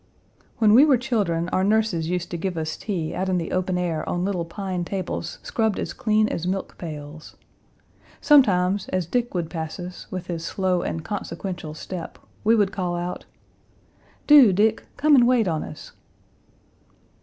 When we were children our nurses used to give us tea out in the open air on little pine tables scrubbed as clean as milk pails. Sometimes, as Dick would pass us, with his slow and consequential step, we would call out, "Do, Dick, come and wait on us."